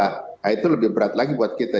nah itu lebih berat lagi buat kita